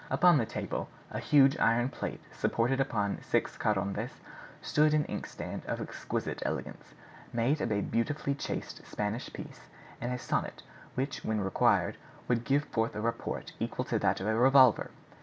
Upon the table (a huge iron plate supported upon six carronades) stood an inkstand of exquisite elegance, made of a beautifully chased Spanish piece, and a sonnette, which, when required, could give forth a report equal to that of a revolver.